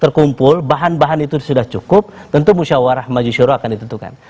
terkumpul bahan bahan itu sudah cukup tentu musyawarah majisyuruh akan ditentukan